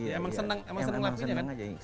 emang seneng lakuinnya kan